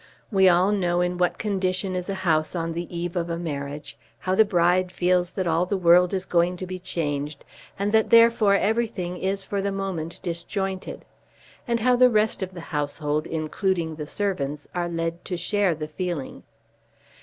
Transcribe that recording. We all know in what condition is a house on the eve of a marriage, how the bride feels that all the world is going to be changed, and that therefore everything is for the moment disjointed; and how the rest of the household, including the servants, are led to share the feeling.